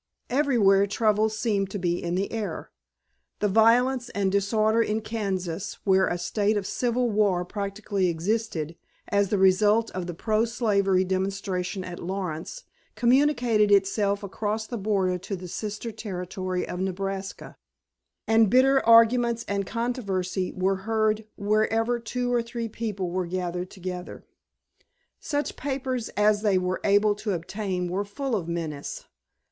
Everywhere trouble seemed to be in the air. The violence and disorder in Kansas, where a state of civil war practically existed, as the result of the pro slavery demonstration at Lawrence, communicated itself across the border to the sister territory of Nebraska, and bitter arguments and controversy were heard wherever two or three people were gathered together. Such papers as they were able to obtain were full of menace.